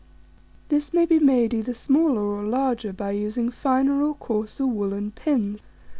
This may be made either smaller or larger by using finer or coarser wool and pins.